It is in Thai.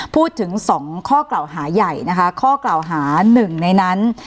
พูดถึง๒ข้อกล่าวหาใหญ่นะคะข้อกล่าวหาหนึ่งในนั้น